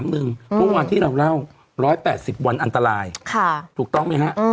เมื่อวานที่เราเล่า๑๘๐วันอันตรายถูกต้องไหมฮะ